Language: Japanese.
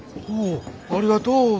おおっありがとう。